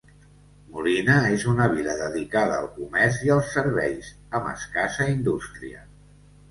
Molina és una vila dedicada al comerç i als serveis, amb escassa indústria.